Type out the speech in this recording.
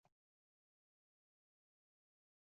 开幕后基本保持每周两次赛事活动。